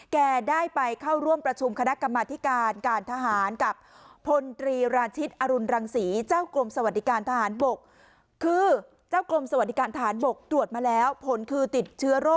แกได้ไปเข้าร่วมประชุมคณะกรรมาธิการ์การทหาร